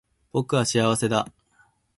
僕は幸せだ